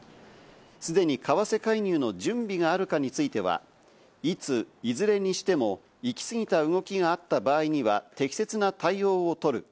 すでに為替介入の準備があるかについては、いつ、いずれにしても、行き過ぎた動きがあった場合には適切な対応をとる。